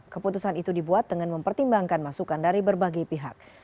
keputusan itu dibuat dengan mempertimbangkan masukan dari berbagai pihak